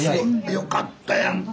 よかったやんか。